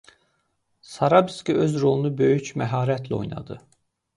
Sarabski öz rolunu böyük məharətlə oynadı.